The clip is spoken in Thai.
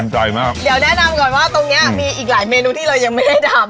เดี๋ยวแนะนำก่อนตัวนี้อีกหลายเมนูที่เรายังไม่ได้ทำ